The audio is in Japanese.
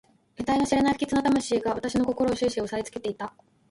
えたいの知れない不吉な魂が私の心を始終おさえつけていた。